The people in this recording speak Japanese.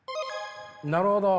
なるほど。